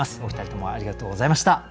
お二人ともありがとうございました。